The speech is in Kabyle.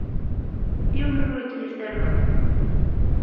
Yiwen ur igir tamawt.